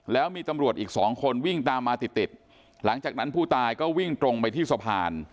แล้วมีตำรวจอีกสองคนวิ่งตามมาติดติดหลังจากนั้นผู้ตายก็วิ่งตรงไปที่สะพาน